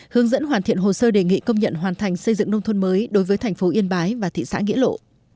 hướng dẫn hoàn thiện hồ sơ đề nghị công nhận hoàn thành xây dựng nông thôn mới đối với thành phố yên bái và thị xã nghĩa lộ